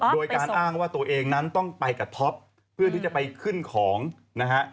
โดยการอ้างว่าตัวเองนั้นต้องไปกับท็อปเพื่อที่จะไปขึ้นของนะฮะ